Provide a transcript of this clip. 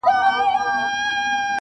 • اوس هغه خلک هم لوڅي پښې روان دي -